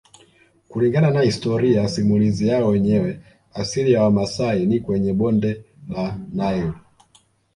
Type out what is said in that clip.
Kulingana na historia simulizi yao wenyewe asili ya Wamasai ni kwenye bonde la Nile